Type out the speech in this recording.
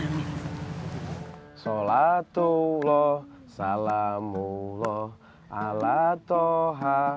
dan ini hai sholatullah salamullah alla toha